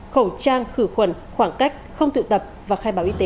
khẩu trang khử khuẩn khoảng cách không tụ tập và khai báo y tế